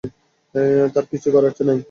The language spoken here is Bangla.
তার কিছুই করার নেই।